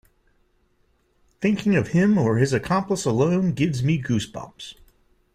Thinking of him or his accomplice alone gives me goose bumps.